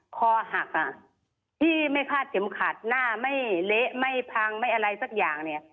คอหักอ่ะที่ไม่คาดเข็มขัดหน้าไม่เละไม่พังไม่อะไรสักอย่างเนี่ย